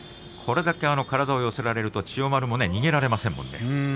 これだけ体を寄せられると千代丸も逃げられませんもんね。